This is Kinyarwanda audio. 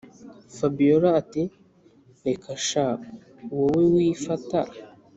fabiora ati”reka sha wowe wifata